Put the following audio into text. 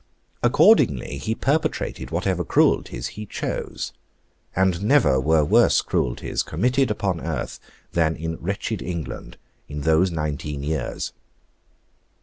Accordingly, he perpetrated whatever cruelties he chose. And never were worse cruelties committed upon earth than in wretched England in those nineteen years.